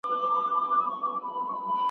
معلم غني یو نېک سړی دی.